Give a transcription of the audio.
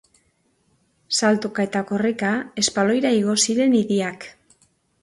Saltoka eta korrika, espaloira igo ziren idiak.